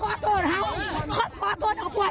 ก็ตายเป็นแล้วนะครับ